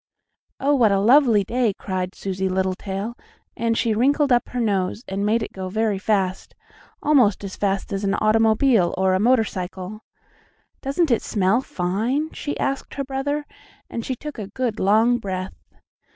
"Oh, what a lovely day!" cried Susie Littletail, and she wrinkled up her nose, and made it go very fast, almost as fast as an automobile or a motorcycle. "Doesn't it smell fine?" she asked her brother, and she took a good, long breath.